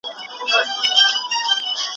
هم ښادۍ یې وې لیدلي هم غمونه